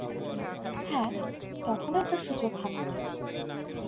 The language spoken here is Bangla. হ্যাঁ, তখনো একটা সুযোগ থাকবে।